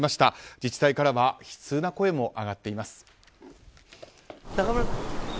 自治体からは悲痛な声も上がっています。